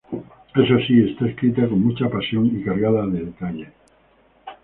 Eso sí, está escrita con mucha pasión y cargada de detalles.